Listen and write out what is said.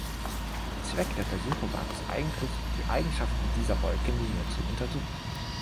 Zweck der Versuche war es eigentlich, die Eigenschaften dieser Wolke näher zu untersuchen.